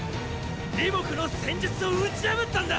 李牧の戦術を打ち破ったんだ！！